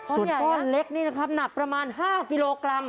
ก้อนเล็กนี่นะครับหนักประมาณ๕กิโลกรัม